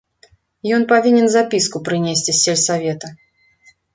Ён павінен запіску прынесці з сельсавета.